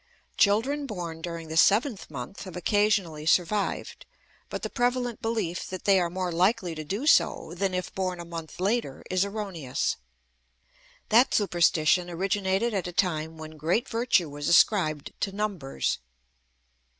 Children born during the seventh month have occasionally survived; but the prevalent belief that they are more likely to do so than if born a month later is erroneous. That superstition originated at a time when great virtue was ascribed to numbers.